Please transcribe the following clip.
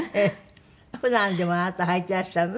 普段でもあなたはいてらっしゃるの？